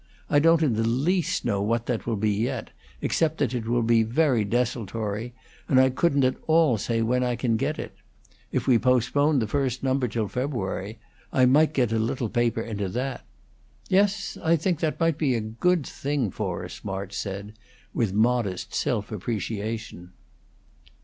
I don't in the least know what it will be yet, except that it will be very desultory; and I couldn't at all say when I can get at it. If we postpone the first number till February I might get a little paper into that. Yes, I think it might be a good thing for us," March said, with modest self appreciation.